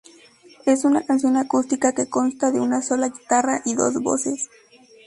Es una canción acústica que consta de una sola guitarra y dos voces.